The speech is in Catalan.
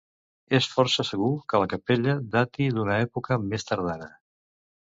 És força segur que la capella dati d'una època més tardana.